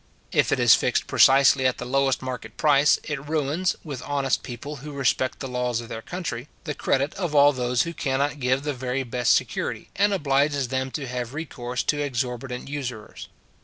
If it is fixed precisely at the lowest market price, it ruins, with honest people who respect the laws of their country, the credit of all those who cannot give the very best security, and obliges them to have recourse to exorbitant usurers.